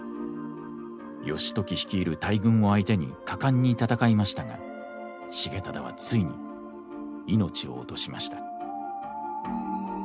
義時率いる大軍を相手に果敢に戦いましたが重忠はついに命を落としました。